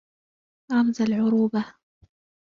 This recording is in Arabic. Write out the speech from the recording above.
رَمْزَ الْعُرُوبَة